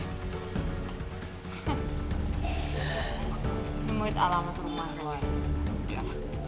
temuin alamat rumah lu ya